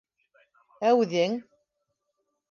Ә үҙең...